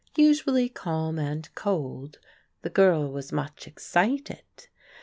Usually calm and cold, the girl was much excited.